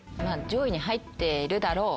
上位に入っているだろう